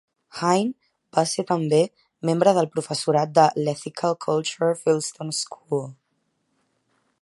Hine va ser també membre del professorat de l'Ethical Culture Fieldston School.